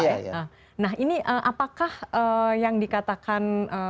iya iya nah ini apakah yang dikatakan